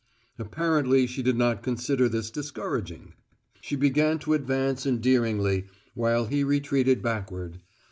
Apparently, she did not consider this discouraging. She began to advance endearingly, while he retreated backward.